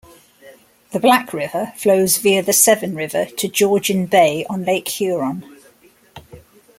The Black River flows via the Severn River to Georgian Bay on Lake Huron.